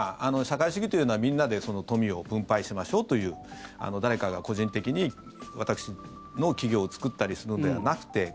社会主義というのは、みんなで富を分配しましょうという誰かが個人的に、私の企業を作ったりするのではなくて。